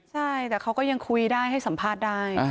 ใช่แต่เขาก็ยังคุยได้ให้สัมภาษณ์ได้